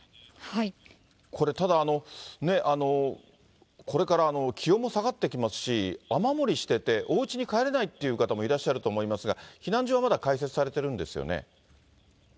これ、ただ、これから気温も下がってきますし、雨漏りしてて、おうちに帰れないという方もいらっしゃると思いますが、避難所はまだ開設されてるんですよね。